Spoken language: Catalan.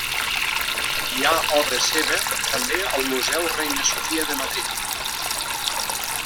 Hi ha obra seva també al Museu Reina Sofia de Madrid.